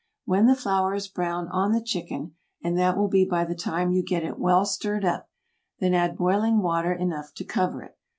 When the flour is brown on the chicken, and that will be by the time you get it well stirred up, then add boiling water enough to cover it.